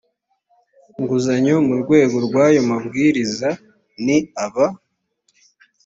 nguzanyo mu rwego rw aya mabwiriza ni aba